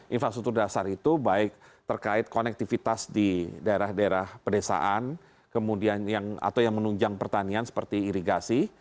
infrastruktur dasar itu baik terkait konektivitas di daerah daerah pedesaan atau yang menunjang pertanian seperti irigasi